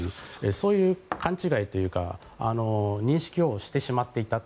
そういう勘違いというか認識をしてしまっていた。